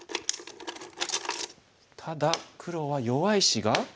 ただ黒は弱い石が。